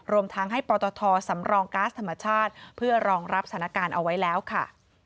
รวมทั้งให้ปตทสำรองก๊าซธรรมชาติเพื่อรองรับสถานการณ์เอาไว้แล้วค่ะ